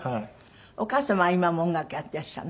お母様は今も音楽やっていらっしゃるの？